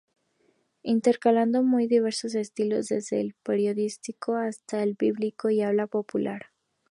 Intercalando muy diversos estilos, desde el periodístico, hasta el bíblico y habla popular.